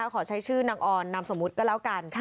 ขอใช้ชื่อนางออนนามสมมุติก็แล้วกัน